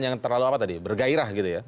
yang terlalu apa tadi bergairah gitu ya